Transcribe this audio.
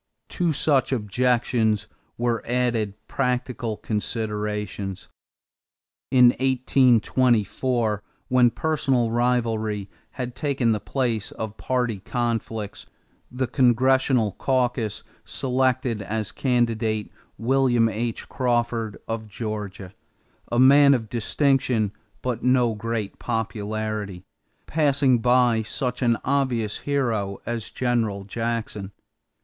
To such objections were added practical considerations. In 1824, when personal rivalry had taken the place of party conflicts, the congressional caucus selected as the candidate, William H. Crawford, of Georgia, a man of distinction but no great popularity, passing by such an obvious hero as General Jackson.